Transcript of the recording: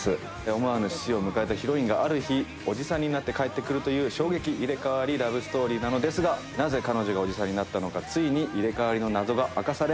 思わぬ死を迎えたヒロインがある日おじさんになって帰ってくるという衝撃入れ替わりラブストーリーなのですがなぜ彼女がおじさんになったのかついに入れ替わりの謎が明かされます」